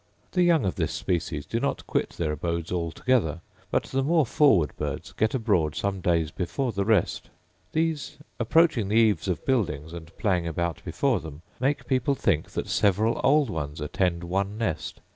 The young of this species do not quit their abodes all together; but the more forward birds get abroad some days before the rest. These approaching the eaves of buildings, and playing about before them, make people think that several old ones attend one nest.